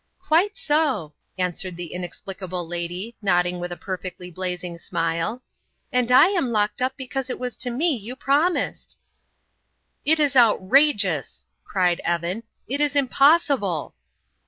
"Quite so," answered the inexplicable lady, nodding with a perfectly blazing smile, "and I am locked up because it was to me you promised." "It is outrageous!" cried Evan; "it is impossible!"